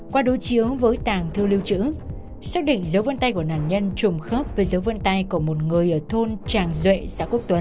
qua đối chiếu với tàng thư lưu trữ xác định dấu vân tay của nạn nhân trùng khớp với dấu vân tay của một người ở thôn tràng duệ xã quốc tuấn